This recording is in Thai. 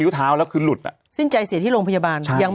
เท้าแล้วคือหลุดอ่ะสิ้นใจเสียที่โรงพยาบาลยัง